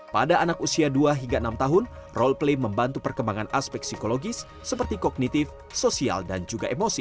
pada anak usia dua hingga enam tahun roll play membantu perkembangan aspek psikologis seperti kognitif sosial dan juga emosi